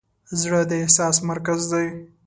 زړه د احساس مرکز دی.